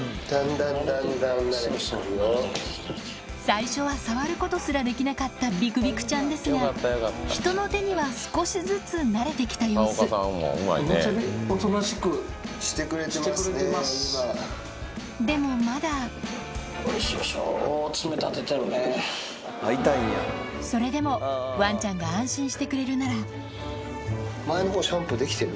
最初は触ることすらできなかったビクビクちゃんですが人の手には少しずつ慣れてきた様子でもまだそれでもワンちゃんが安心してくれるなら前の方シャンプーできてる？